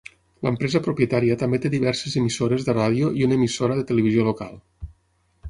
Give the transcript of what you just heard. L'empresa propietària també té diverses emissores de ràdio i una emissora de televisió local.